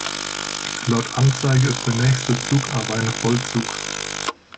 Laut Anzeige ist der nächste Zug aber ein Vollzug.